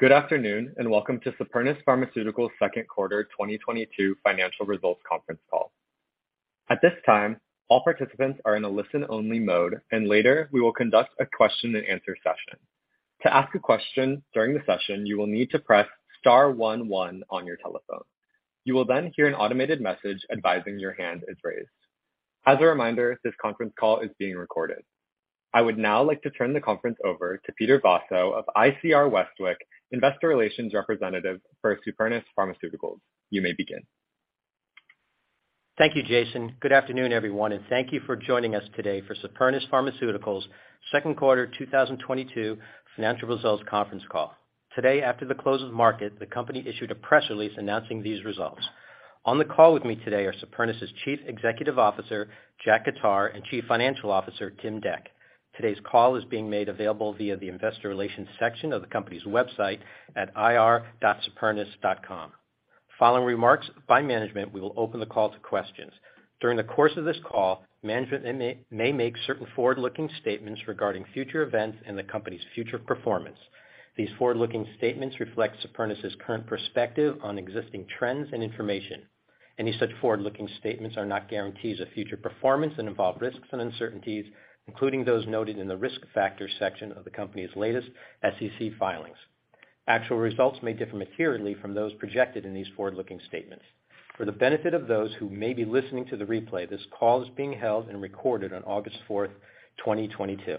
Good afternoon, and welcome to Supernus Pharmaceuticals' Q2 2022 Financial Results Conference Call. At this time, all participants are in a listen-only mode, and later we will conduct a question and answer session. To ask a question during the session, you will need to press star one one on your telephone. You will then hear an automated message advising your hand is raised. As a reminder, this conference call is being recorded. I would now like to turn the conference over to Peter Vozzo of ICR Westwicke, investor relations representative for Supernus Pharmaceuticals. You may begin. Thank you, Jason. Good afternoon, everyone, and thank you for joining us today for Supernus Pharmaceuticals' Q2 2022 financial results conference call. Today, after the close of market, the company issued a press release announcing these results. On the call with me today are Supernus' Chief Executive Officer, Jack Khattar, and Chief Financial Officer, Tim Dec. Today's call is being made available via the investor relations section of the company's website at ir.supernus.com. Following remarks by management, we will open the call to questions. During the course of this call, management may make certain forward-looking statements regarding future events and the company's future performance. These forward-looking statements reflect Supernus' current perspective on existing trends and information. Any such forward-looking statements are not guarantees of future performance and involve risks and uncertainties, including those noted in the Risk Factors section of the company's latest SEC filings. Actual results may differ materially from those projected in these forward-looking statements. For the benefit of those who may be listening to the replay, this call is being held and recorded on 4 August 2022.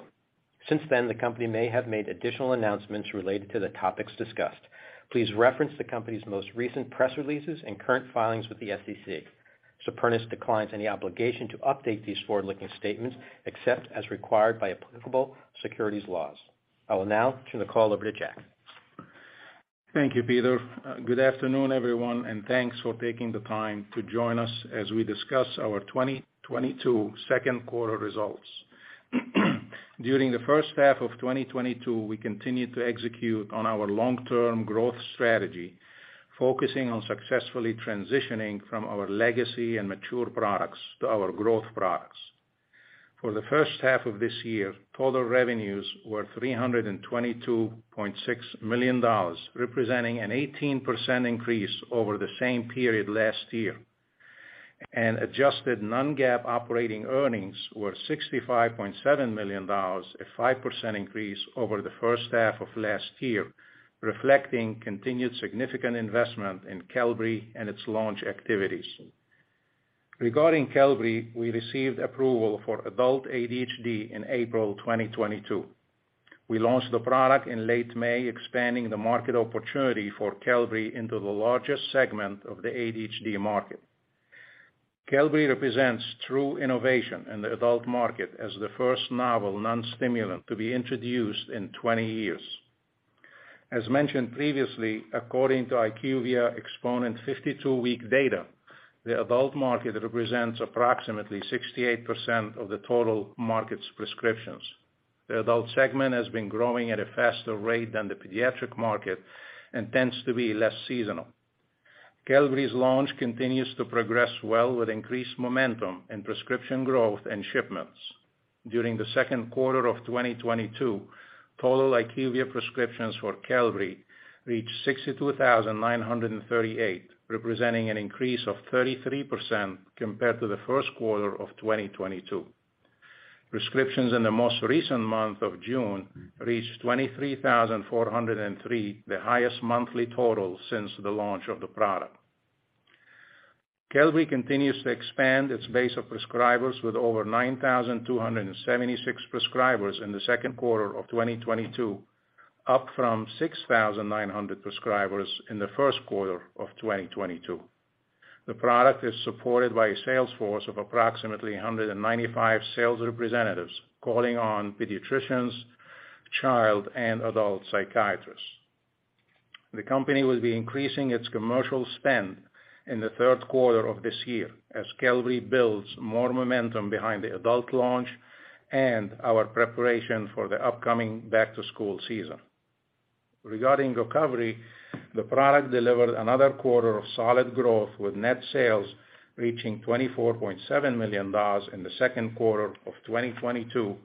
Since then, the company may have made additional announcements related to the topics discussed. Please reference the company's most recent press releases and current filings with the SEC. Supernus declines any obligation to update these forward-looking statements except as required by applicable securities laws. I will now turn the call over to Jack. Thank you, Peter. Good afternoon, everyone, and thanks for taking the time to join us as we discuss our 2022 Q2 results. During the first half of 2022, we continued to execute on our long-term growth strategy, focusing on successfully transitioning from our legacy and mature products to our growth products. For the first half of this year, total revenues were $322.6 million, representing an 18% increase over the same period last year. Adjusted non-GAAP operating earnings were $65.7 million, a 5% increase over the first half of last year, reflecting continued significant investment in Qelbree and its launch activities. Regarding Qelbree, we received approval for adult ADHD in April 2022. We launched the product in late May, expanding the market opportunity for Qelbree into the largest segment of the ADHD market. Qelbree represents true innovation in the adult market as the first novel non-stimulant to be introduced in 20 years. As mentioned previously, according to IQVIA Xponent 52-week data, the adult market represents approximately 68% of the total market's prescriptions. The adult segment has been growing at a faster rate than the pediatric market and tends to be less seasonal. Qelbree's launch continues to progress well with increased momentum in prescription growth and shipments. During the Q2 of 2022, total IQVIA prescriptions for Qelbree reached 62,938, representing an increase of 33% compared to the Q1 of 2022. Prescriptions in the most recent month of June reached 23,403, the highest monthly total since the launch of the product. Qelbree continues to expand its base of prescribers with over 9,276 prescribers in the Q2 of 2022, up from 6,900 prescribers in the Q1 of 2022. The product is supported by a sales force of approximately 195 sales representatives calling on pediatricians, child and adult psychiatrists. The company will be increasing its commercial spend in the Q3 of this year as Qelbree builds more momentum behind the adult launch and our preparation for the upcoming back-to-school season. Regarding GOCOVRI, the product delivered another quarter of solid growth with net sales reaching $24.7 million in the Q2 of 2022,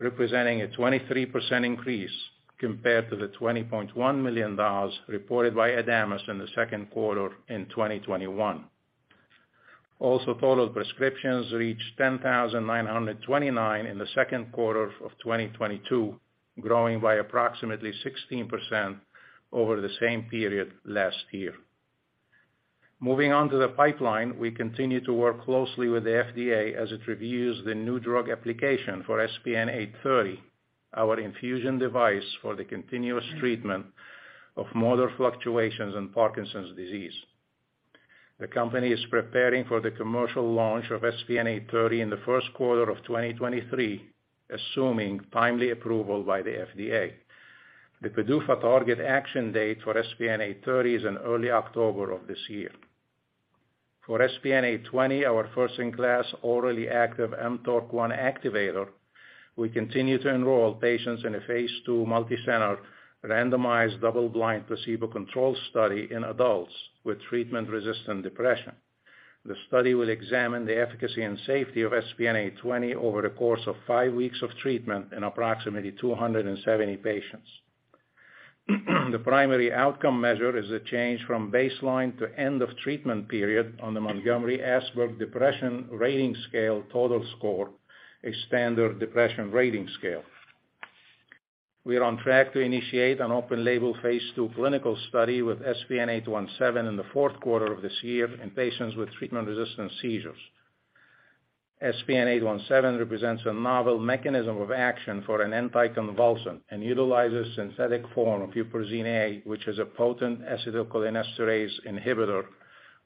representing a 23% increase compared to the $20.1 million reported by Adamas in the Q2 in 2021. Total prescriptions reached 10,929 in the Q2 of 2022, growing by approximately 16% over the same period last year. Moving on to the pipeline, we continue to work closely with the FDA as it reviews the new drug application for SPN-830, our infusion device for the continuous treatment of motor fluctuations in Parkinson's disease. The company is preparing for the commercial launch of SPN-830 in the Q1 of 2023, assuming timely approval by the FDA. The PDUFA target action date for SPN-830 is in early October of this year. For SPN-820, our first-in-class orally active mTORC1 activator, we continue to enroll patients in a phase II multi-center randomized double-blind placebo-controlled study in adults with treatment-resistant depression. The study will examine the efficacy and safety of SPN-820 over the course of five weeks of treatment in approximately 270 patients. The primary outcome measure is a change from baseline to end of treatment period on the Montgomery-Åsberg Depression Rating Scale total score, a standard depression rating scale. We are on track to initiate an open-label phase II clinical study with SPN-817 in the Q4 of this year in patients with treatment-resistant seizures. SPN-817 represents a novel mechanism of action for an anticonvulsant and utilizes synthetic form of Huperzine A, which is a potent acetylcholinesterase inhibitor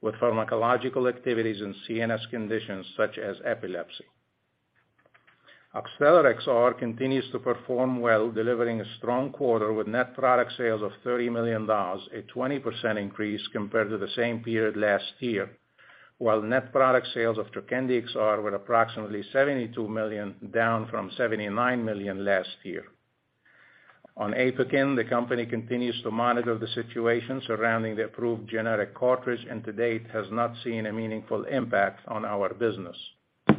with pharmacological activities in CNS conditions such as epilepsy. Oxtellar XR continues to perform well, delivering a strong quarter with net product sales of $30 million, a 20% increase compared to the same period last year, while net product sales of Trokendi XR were approximately $72 million, down from $79 million last year. On APOKYN, the company continues to monitor the situation surrounding the approved generic cartridge, and to date, has not seen a meaningful impact on our business.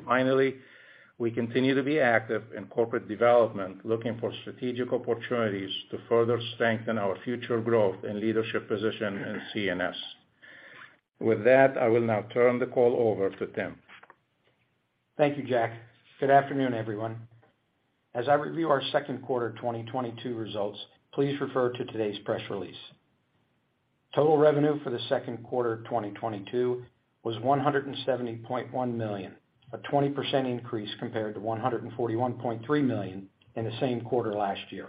Finally, we continue to be active in corporate development, looking for strategic opportunities to further strengthen our future growth and leadership position in CNS. With that, I will now turn the call over to Tim. Thank you, Jack. Good afternoon, everyone. As I review our second quarter 2022 results, please refer to today's press release. Total revenue for the Q2 of 2022 was $170.1 million, a 20% increase compared to $141.3 million in the same quarter last year.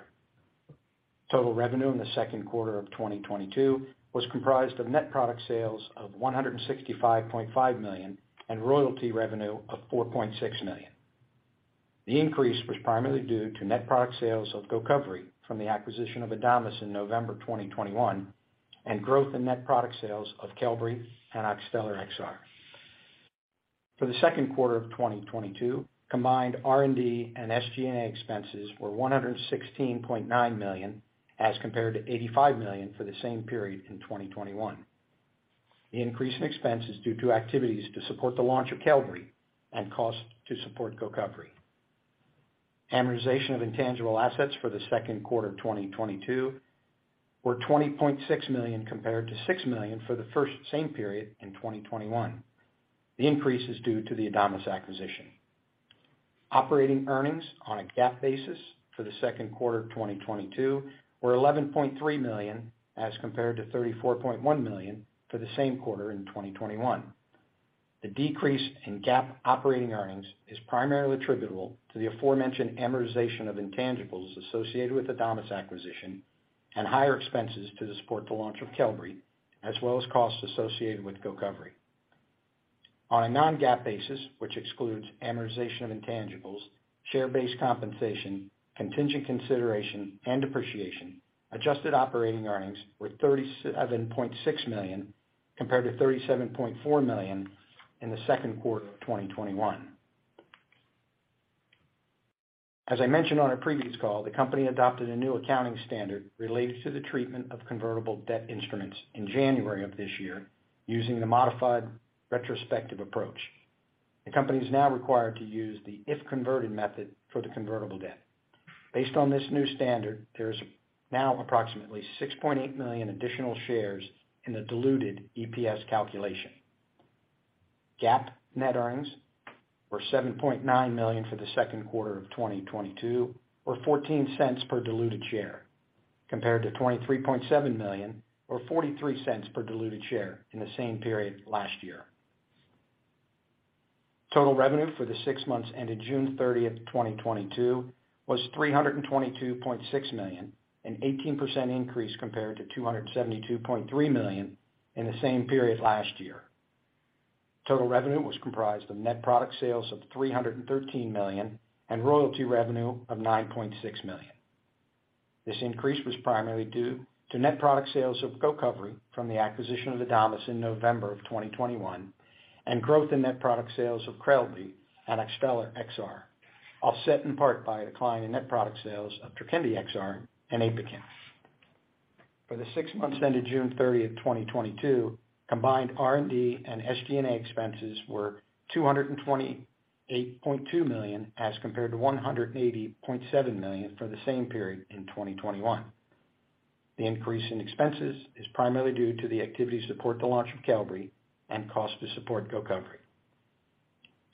Total revenue in the Q2 of 2022 was comprised of net product sales of $165.5 million and royalty revenue of $4.6 million. The increase was primarily due to net product sales of GOCOVRI from the acquisition of Adamas in November 2021 and growth in net product sales of Qelbree and Oxtellar XR. For the Q2 of 2022, combined R&D and SG&A expenses were $116.9 million, as compared to $85 million for the same period in 2021. The increase in expenses due to activities to support the launch of Qelbree and cost to support GOCOVRI. Amortization of intangible assets for the Q2 of 2022 were $20.6 million compared to $6 million for the same period in 2021. The increase is due to the Adamas acquisition. Operating earnings on a GAAP basis for the Q2 of 2022 were $11.3 million, as compared to $34.1 million for the same quarter in 2021. The decrease in GAAP operating earnings is primarily attributable to the aforementioned amortization of intangibles associated with Adamas acquisition and higher expenses to support the launch of Qelbree, as well as costs associated with GOCOVRI. On a non-GAAP basis, which excludes amortization of intangibles, share-based compensation, contingent consideration and depreciation, adjusted operating earnings were $37.6 million, compared to $37.4 million in the Q2 of 2021. As I mentioned on a previous call, the company adopted a new accounting standard related to the treatment of convertible debt instruments in January of this year using the modified retrospective approach. The company is now required to use the if converted method for the convertible debt. Based on this new standard, there is now approximately 6.8 million additional shares in the diluted EPS calculation. GAAP net earnings were $7.9 million for the Q2 of 2022 or $0.14 per diluted share, compared to $23.7 million or $0.43 per diluted share in the same period last year. Total revenue for the six months ended 30 June 2022 was $322.6 million, an 18% increase compared to $272.3 million in the same period last year. Total revenue was comprised of net product sales of $313 million and royalty revenue of $9.6 million. This increase was primarily due to net product sales of GOCOVRI from the acquisition of Adamas in November 2021 and growth in net product sales of Qelbree and Oxtellar XR, offset in part by a decline in net product sales of Trokendi XR and APOKYN. For the six months ended June 30, 2022, combined R&D and SG&A expenses were $228.2 million, as compared to $180.7 million for the same period in 2021. The increase in expenses is primarily due to the activities to support the launch of Qelbree and costs to support GOCOVRI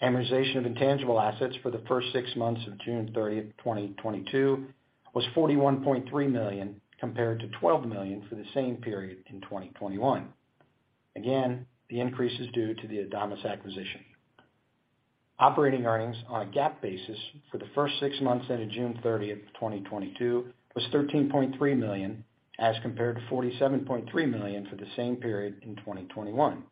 Amortization of intangible assets for the first six months ended 30 June 2022 was $41.3 million, compared to $12 million for the same period in 2021. Again, the increase is due to the Adamas acquisition. Operating earnings on a GAAP basis for the first six months ended 30 June 2022 was $13.3 million, as compared to $47.3 million for the same period in 2021.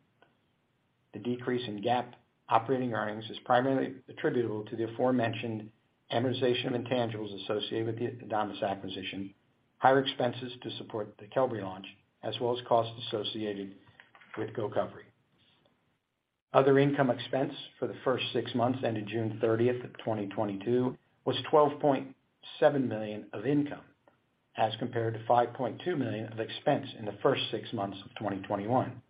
The decrease in GAAP operating earnings is primarily attributable to the aforementioned amortization of intangibles associated with the Adamas acquisition, higher expenses to support the Qelbree launch, as well as costs associated with GOCOVRI. Other income expense for the first six months ended 30 June 2022 was $12.7 million of income. As compared to $5.2 million of expense in the first six months of 2021.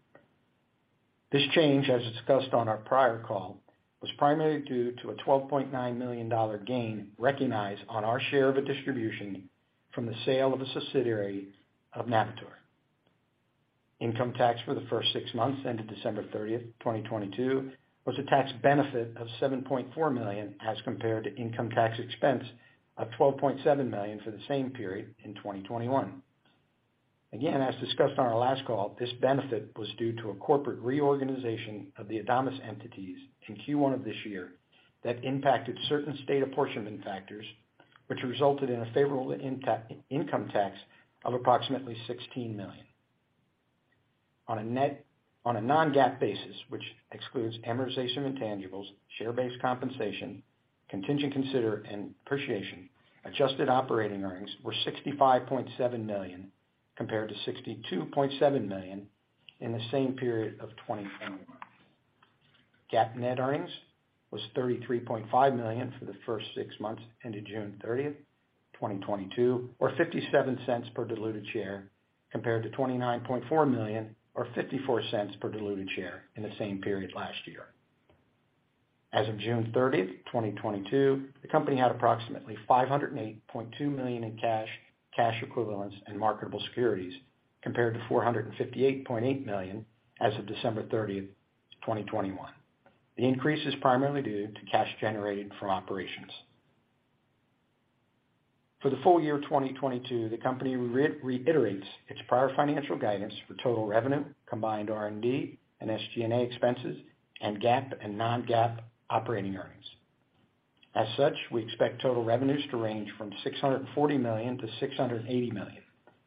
This change, as discussed on our prior call, was primarily due to a $12.9 million gain recognized on our share of a distribution from the sale of a subsidiary of Navitor. Income tax for the first six months ended 30 June 2022, was a tax benefit of $7.4 million, as compared to income tax expense of $12.7 million for the same period in 2021. Again, as discussed on our last call, this benefit was due to a corporate reorganization of the Adamas entities in Q1 of this year that impacted certain state apportionment factors, which resulted in a favorable income tax of approximately $16 million. On a non-GAAP basis, which excludes amortization intangibles, share-based compensation, contingent consideration and depreciation, adjusted operating earnings were $65.7 million compared to $62.7 million in the same period of 2021. GAAP net earnings was $33.5 million for the first six months ended 30 June 2022, or $0.57 per diluted share, compared to $29.4 million or $0.54 per diluted share in the same period last year. As of 30 June 2022, the company had approximately $508.2 million in cash equivalents, and marketable securities, compared to $458.8 million as of 30 December 2021. The increase is primarily due to cash generated from operations. For the full year 2022, the company reiterates its prior financial guidance for total revenue, combined R&D and SG&A expenses, and GAAP and non-GAAP operating earnings. As such, we expect total revenues to range from $640 million-$680 million,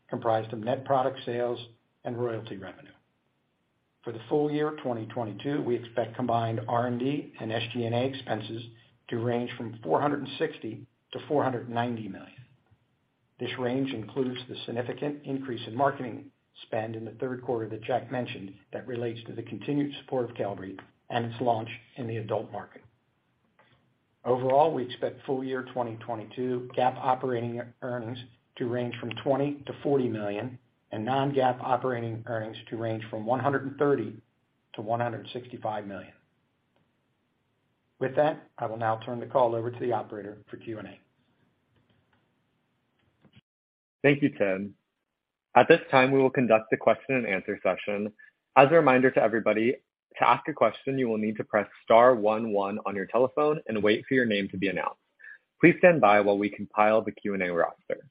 comprised of net product sales and royalty revenue. For the full year 2022, we expect combined R&D and SG&A expenses to range from $460 million-$490 million. This range includes the significant increase in marketing spend in the Q3 that Jack mentioned that relates to the continued support of Qelbree and its launch in the adult market. Overall, we expect full year 2022 GAAP operating earnings to range from $20 million-$40 million and non-GAAP operating earnings to range from $130 million-$165 million. With that, I will now turn the call over to the operator for Q&A. Thank you, Tim. At this time, we will conduct a question and answer session. As a reminder to everybody, to ask a question, you will need to press star one one on your telephone and wait for your name to be announced. Please stand by while we compile the Q&A roster.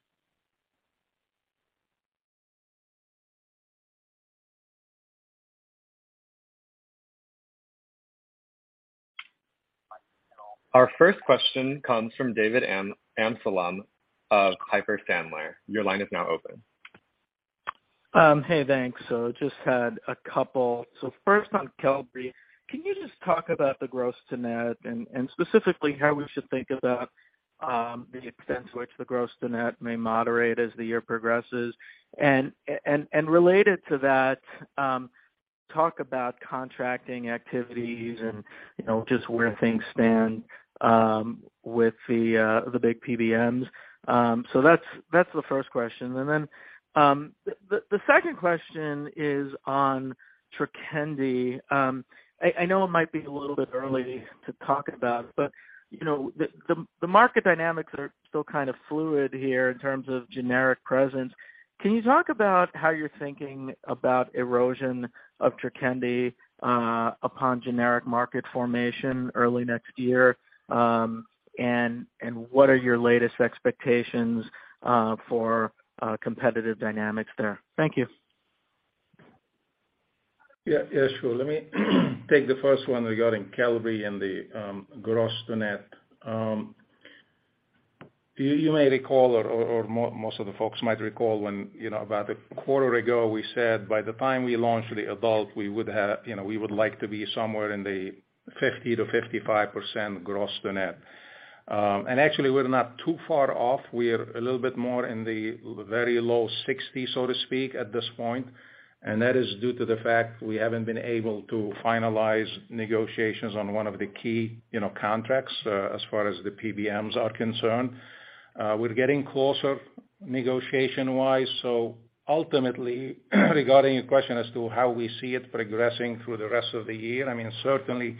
Our first question comes from David Amsellem of Piper Sandler. Your line is now open. Hey, thanks. Just had a couple. First on Qelbree, can you just talk about the gross to net and specifically how we should think about the extent to which the gross to net may moderate as the year progresses? Related to that, talk about contracting activities and, you know, just where things stand with the big PBMs. That's the first question. Then the second question is on Trokendi. I know it might be a little bit early to talk about it, but you know, the market dynamics are still kind of fluid here in terms of generic presence. Can you talk about how you're thinking about erosion of Trokendi upon generic market formation early next year? What are your latest expectations for competitive dynamics there? Thank you. Yeah, sure. Let me take the first one regarding Qelbree and the gross to net. You may recall, or most of the folks might recall when, you know, about a quarter ago, we said by the time we launch the adult, we would have, you know, we would like to be somewhere in the 50%-55% gross to net. Actually, we're not too far off. We're a little bit more in the very low 60s%, so to speak, at this point, and that is due to the fact we haven't been able to finalize negotiations on one of the key, you know, contracts as far as the PBMs are concerned. We're getting closer negotiation-wise, so ultimately, regarding your question as to how we see it progressing through the rest of the year, I mean, certainly,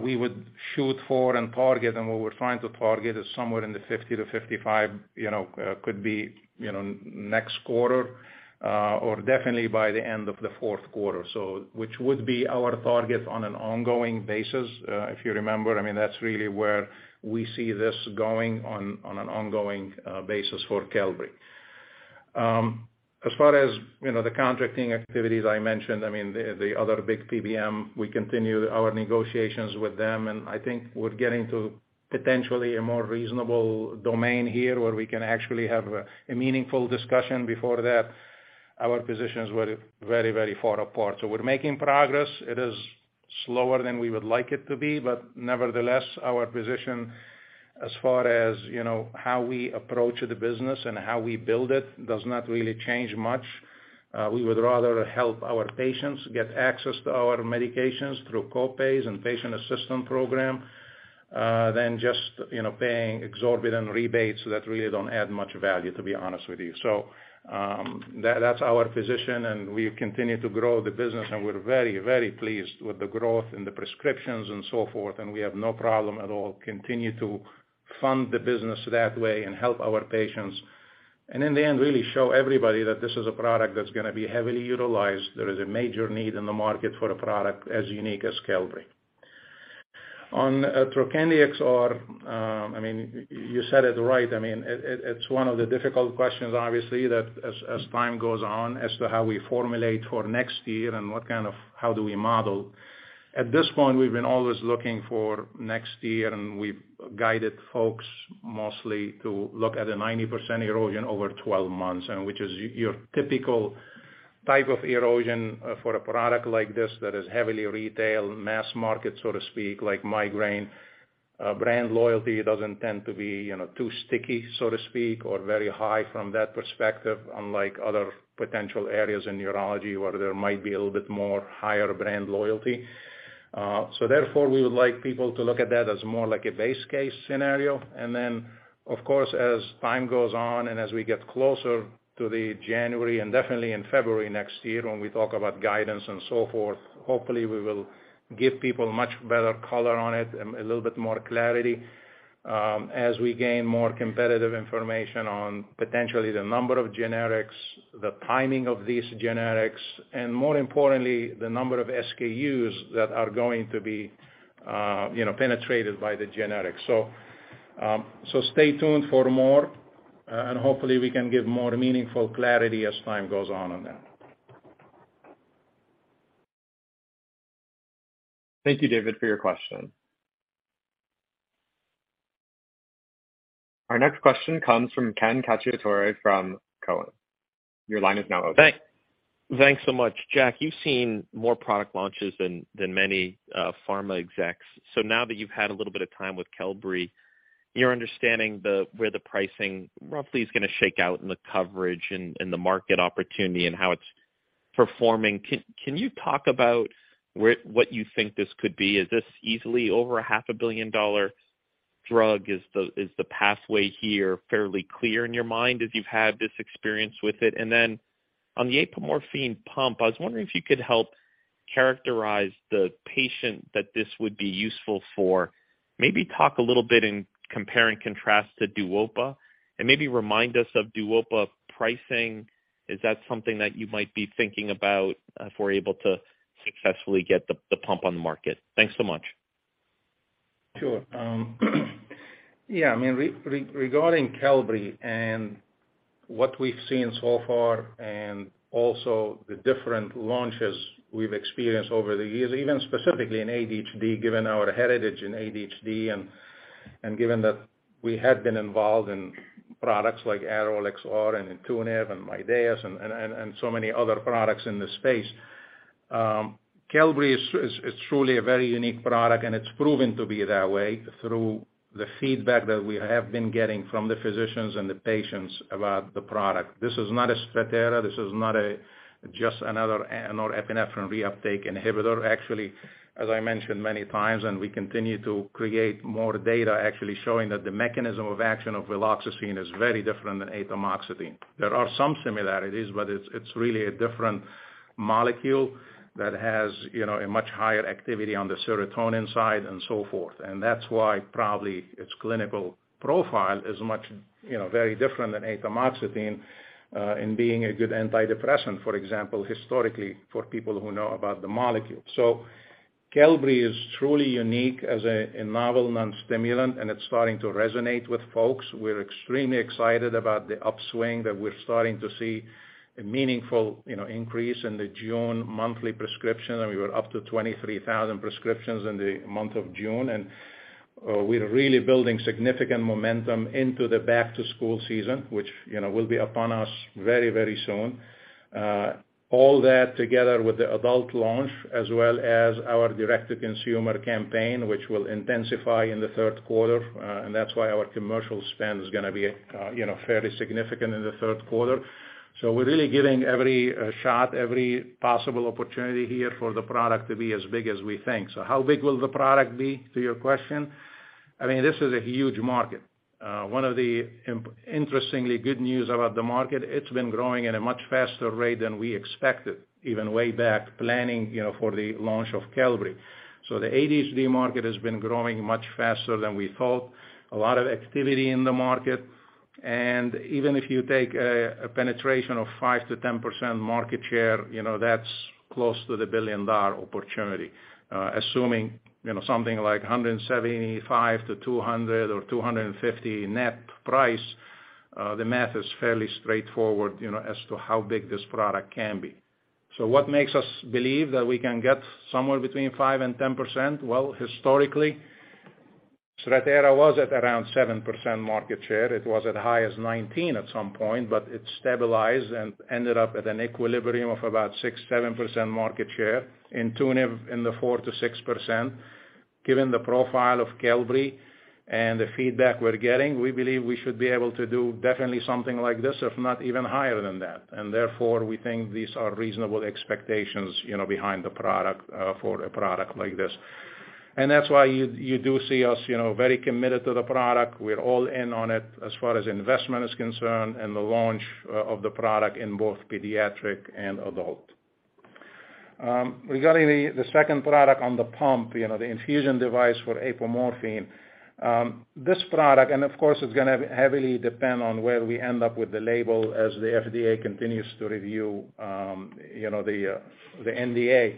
we would shoot for and target, and what we're trying to target is somewhere in the 50%-55%, you know, could be, you know, next quarter, or definitely by the end of the Q4. Which would be our target on an ongoing basis. If you remember, I mean, that's really where we see this going on an ongoing basis for Qelbree. As far as, you know, the contracting activities I mentioned, I mean, the other big PBM, we continue our negotiations with them, and I think we're getting to potentially a more reasonable demand here, where we can actually have a meaningful discussion. Before that, our positions were very, very far apart. We're making progress. It is slower than we would like it to be, but nevertheless, our position as far as, you know, how we approach the business and how we build it does not really change much. We would rather help our patients get access to our medications through co-pays and patient assistance program than just, you know, paying exorbitant rebates that really don't add much value, to be honest with you. That's our position, and we continue to grow the business, and we're very, very pleased with the growth and the prescriptions and so forth, and we have no problem at all continue to fund the business that way and help our patients. In the end, really show everybody that this is a product that's gonna be heavily utilized. There is a major need in the market for a product as unique as Qelbree. On Trokendi XR, I mean, you said it right. I mean, it's one of the difficult questions, obviously, that as time goes on as to how we formulate for next year and how do we model. At this point, we've been always looking for next year, and we've guided folks mostly to look at a 90% erosion over 12 months, and which is your typical type of erosion, for a product like this that is heavily retailed, mass market, so to speak, like migraine. Brand loyalty doesn't tend to be, you know, too sticky, so to speak, or very high from that perspective, unlike other potential areas in neurology where there might be a little bit more higher brand loyalty. So therefore, we would like people to look at that as more like a base case scenario. Of course, as time goes on, and as we get closer to the January and definitely in February next year when we talk about guidance and so forth, hopefully we will give people much better color on it and a little bit more clarity, as we gain more competitive information on potentially the number of generics, the timing of these generics, and more importantly, the number of SKUs that are going to be, you know, penetrated by the generics. So, stay tuned for more, and hopefully we can give more meaningful clarity as time goes on that. Thank you, David, for your question. Our next question comes from Ken Cacciatore from Cowen. Your line is now open. Thanks so much. Jack, you've seen more product launches than many pharma execs. Now that you've had a little bit of time with Qelbree, your understanding the where the pricing roughly is gonna shake out in the coverage and the market opportunity and how it's performing, can you talk about where what you think this could be? Is this easily over a half a billion-dollar drug? Is the pathway here fairly clear in your mind as you've had this experience with it? On the apomorphine pump, I was wondering if you could help characterize the patient that this would be useful for. Maybe talk a little bit and compare and contrast to Duodopa, and maybe remind us of Duodopa pricing. Is that something that you might be thinking about, if we're able to successfully get the pump on the market? Thanks so much. Sure. Yeah, I mean, regarding Qelbree and what we've seen so far and also the different launches we've experienced over the years, even specifically in ADHD, given our heritage in ADHD and given that we had been involved in products like Adderall XR and Intuniv and Mydayis and so many other products in this space. Qelbree is truly a very unique product, and it's proven to be that way through the feedback that we have been getting from the physicians and the patients about the product. This is not a Strattera. This is not just another norepinephrine reuptake inhibitor. Actually, as I mentioned many times, and we continue to create more data actually showing that the mechanism of action of viloxazine is very different than atomoxetine. There are some similarities, but it's really a different molecule that has, you know, a much higher activity on the serotonin side and so forth. That's why probably its clinical profile is much, you know, very different than atomoxetine in being a good antidepressant, for example, historically for people who know about the molecule. Qelbree is truly unique as a novel non-stimulant, and it's starting to resonate with folks. We're extremely excited about the upswing that we're starting to see a meaningful, you know, increase in the June monthly prescription. I mean, we're up to 23,000 prescriptions in the month of June. We're really building significant momentum into the back to school season, which, you know, will be upon us very, very soon. All that together with the adult launch as well as our direct-to-consumer campaign, which will intensify in the Q3 and that's why our commercial spend is gonna be, you know, fairly significant in the third quarter. We're really giving every shot, every possible opportunity here for the product to be as big as we think. How big will the product be, to your question? I mean, this is a huge market. One of the interestingly good news about the market, it's been growing at a much faster rate than we expected, even way back planning, you know, for the launch of Qelbree. The ADHD market has been growing much faster than we thought. A lot of activity in the market. Even if you take a penetration of 5%-10% market share, you know, that's close to the billion-dollar opportunity. Assuming, you know, something like $175-$200 or $250 net price, the math is fairly straightforward, you know, as to how big this product can be. What makes us believe that we can get somewhere between 5% and 10%? Well, historically, Strattera was at around 7% market share. It was as high as 19% at some point, but it stabilized and ended up at an equilibrium of about 6%-7% market share. Intuniv in the 4%-6%. Given the profile of Qelbree and the feedback we're getting, we believe we should be able to do definitely something like this, if not even higher than that. Therefore, we think these are reasonable expectations, you know, behind the product for a product like this. That's why you do see us, you know, very committed to the product. We're all in on it as far as investment is concerned and the launch of the product in both pediatric and adult. Regarding the second product on the pump, you know, the infusion device for apomorphine. This product, and of course, it's gonna heavily depend on where we end up with the label as the FDA continues to review, you know, the NDA.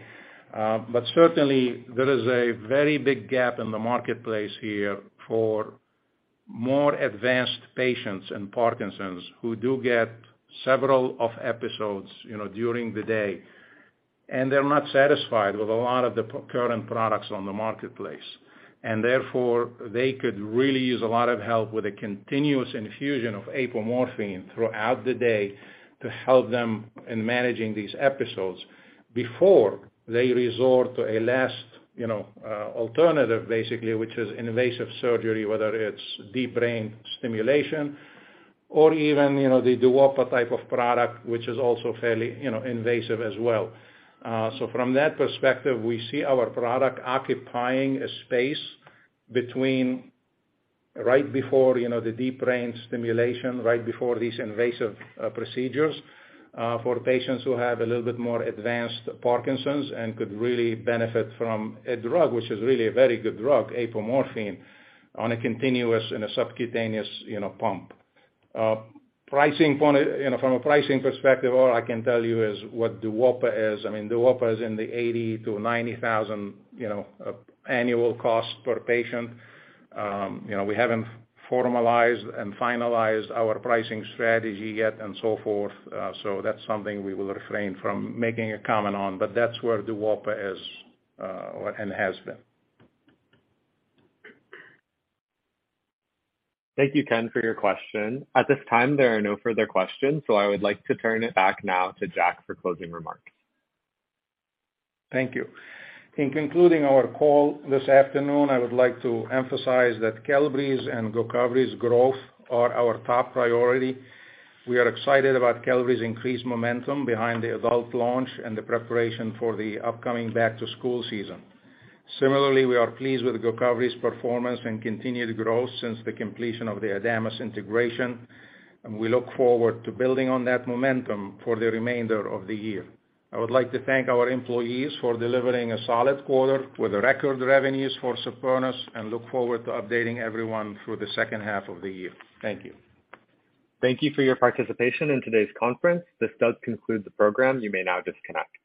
But certainly, there is a very big gap in the marketplace here for more advanced patients in Parkinson's who do get several off episodes, you know, during the day, and they're not satisfied with a lot of the current products on the marketplace. Therefore, they could really use a lot of help with a continuous infusion of apomorphine throughout the day to help them in managing these episodes before they resort to a last, you know, alternative, basically, which is invasive surgery, whether it's deep brain stimulation or even, you know, the Duopa type of product, which is also fairly, you know, invasive as well. From that perspective, we see our product occupying a space between right before, you know, the deep brain stimulation, right before these invasive, procedures, for patients who have a little bit more advanced Parkinson's and could really benefit from a drug, which is really a very good drug, apomorphine, on a continuous and a subcutaneous, you know, pump. Pricing point, you know, from a pricing perspective, all I can tell you is what Duopa is. I mean, Duopa is in the $80,000-$90,000, you know, annual cost per patient. You know, we haven't formalized and finalized our pricing strategy yet and so forth. That's something we will refrain from making a comment on, but that's where Duopa is, and has been. Thank you, Ken, for your question. At this time, there are no further questions, so I would like to turn it back now to Jack for closing remarks. Thank you. In concluding our call this afternoon, I would like to emphasize that Qelbree's and GOCOVRI's growth are our top priority. We are excited about Qelbree's increased momentum behind the adult launch and the preparation for the upcoming back-to-school season. Similarly, we are pleased with GOCOVRI's performance and continued growth since the completion of the Adamas integration, and we look forward to building on that momentum for the remainder of the year. I would like to thank our employees for delivering a solid quarter with record revenues for Supernus and look forward to updating everyone through the second half of the year. Thank you. Thank you for your participation in today's conference. This does conclude the program. You may now disconnect.